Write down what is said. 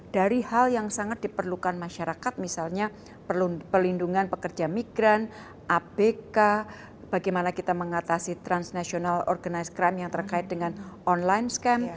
dari hal yang sangat diperlukan masyarakat misalnya perlu pelindungan pekerja migran abk bagaimana kita mengatasi transnational organize crime yang terkait dengan online scam